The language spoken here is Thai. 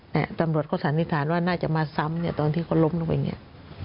เนี่ยตำรวจเขาสันนิษฐานว่าน่าจะมาซ้ำเนี่ยตอนที่เขาล้มลงไปเนี่ย